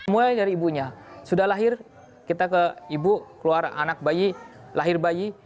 mulai dari ibunya sudah lahir kita ke ibu keluar anak bayi lahir bayi